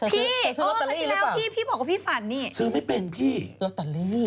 เธอซื้อลัตตาลีหรือเปล่าซื้อลัตตาลี